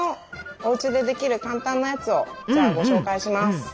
おうちでできる簡単なやつをじゃあご紹介します。